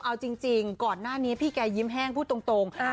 เอาจริงก่อนหน้านี้พี่แกยิ้มแห้งพูดตรง